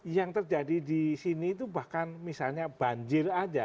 yang terjadi di sini itu bahkan misalnya banjir aja